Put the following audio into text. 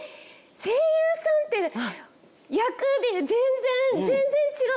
声優さんって役で全然全然違う！